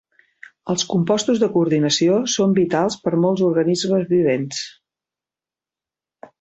Els compostos de coordinació són vitals per a molts organismes vivents.